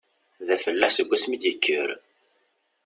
D afellaḥ seg wasmi i d-yekker.